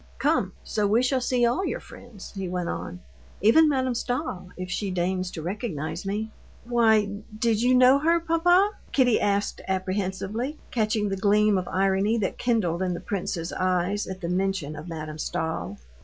"Come, so we shall see all your friends," he went on, "even Madame Stahl, if she deigns to recognize me." "Why, did you know her, papa?" Kitty asked apprehensively, catching the gleam of irony that kindled in the prince's eyes at the mention of Madame Stahl.